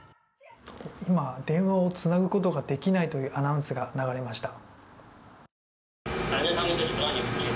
今電話をつなぐことができないというアナウンスが流れました。